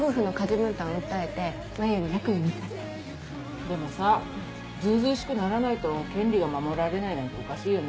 ずうずうしくならないと権利が守られないなんておかしいよね。